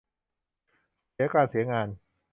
เสียการเสียงาน